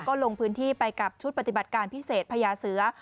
ก็ลงพื้นที่ไปกับชุดปฏิบัติการพิเศษพญาเสือ